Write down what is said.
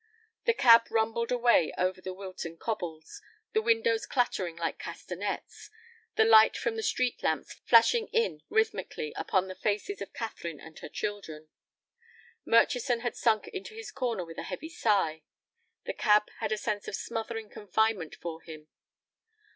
The cab rumbled away over the Wilton cobbles, the windows clattering like castanets, the light from the street lamps flashing in rhythmically upon the faces of Catherine and her children. Murchison had sunk into his corner with a heavy sigh. The cab had a sense of smothering confinement for him.